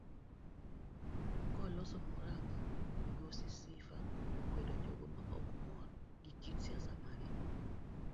Koloso muranga migosi Sifa okwedo jogo maok mor gi kit siasa mage.